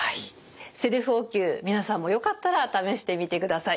セルフお灸皆さんもよかったら試してみてください。